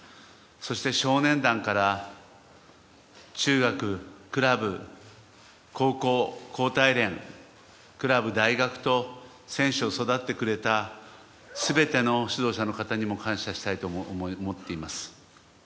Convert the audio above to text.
そして、少年団から中学、クラブ、高校、高体連クラブ、大学と選手を育ててくれた全ての指導者の方にも感謝したいと思っています。